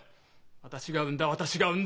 「私が産んだ私が産んだ」